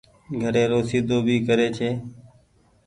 گهري رو سيڌو ڀي ڪري ڇي۔